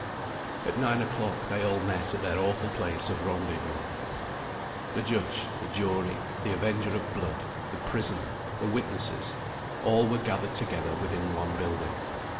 At nine o'clock they all met at their awful place of rendezvous. The judge, the jury, the avenger of blood, the prisoner, the witnesses all were gathered together within one building.